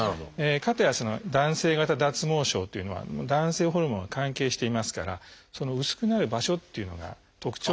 かたや男性型脱毛症というのは男性ホルモンが関係していますから薄くなる場所っていうのが特徴があるんですね。